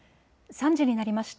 ３時になりました。